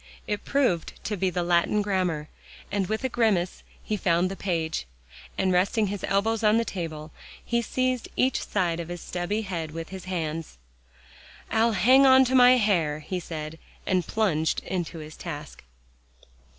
It proved to be the Latin grammar, and with a grimace, he found the page, and resting his elbows on the table, he seized each side of his stubby head with his hands. "I'll hang on to my hair," he said, and plunged into his task.